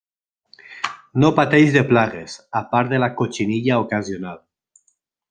No pateix de plagues, a part de la cotxinilla ocasional.